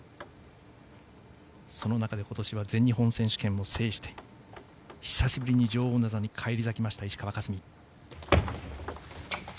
その中で今年は全日本選手権を制して久しぶりに女王の座に返り咲いた石川佳純。